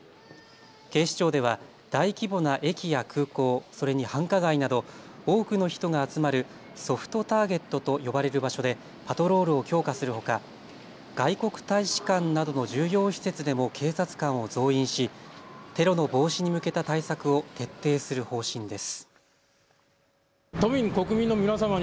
警視庁では大規模な駅や空港、それに繁華街など多くの人が集まるソフトターゲットと呼ばれる場所でパトロールを強化するほか外国大使館などの重要施設でも警察官を増員しテロの防止に向けた対策を徹底する方針です。